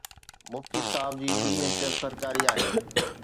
مفتي صاحب جي ٻي حيثيت سرڪاري آهي.